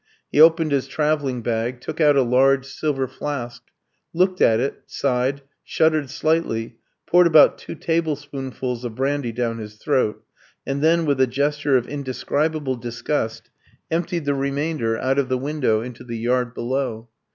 He opened his travelling bag, took out a large silver flask, looked at it, sighed, shuddered slightly, poured about two tablespoonfuls of brandy down his throat; and then, with a gesture of indescribable disgust, emptied the remainder out of the window into the yard below.